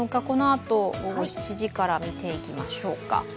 このあと午後７時から見ていきましょうか。